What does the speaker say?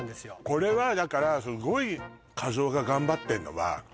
これはだからすごい一夫が頑張ってんのはのよ